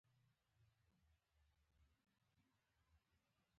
پوهه او علم هغه دوه وسلې دي چې د انسان د کامیابۍ لاره برابروي.